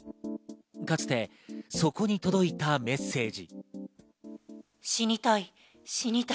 かつてそこに届いたメッセージ。